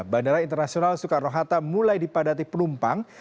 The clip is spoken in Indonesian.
bandara internasional soekarno hatta mulai dipadati penumpang